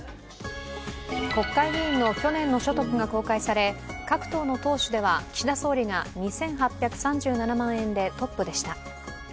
国会議員の去年の所得が公開され各党の党首では岸田総理が２８３７万円でトップでした。